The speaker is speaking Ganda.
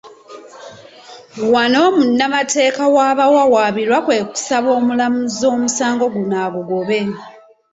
Wano munnamateeka w'abawawaabirwa kwe kusaba omulamuzi omusango guno agugobe.